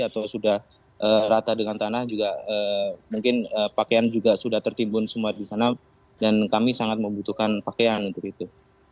atau sudah rata dengan tanah juga mungkin pakaian juga sudah tertimbun semua di sana dan kami sangat membutuhkan pakaian untuk itu